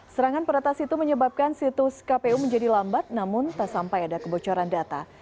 serangan peretas itu menyebabkan situs kpu menjadi lambat namun tak sampai ada kebocoran data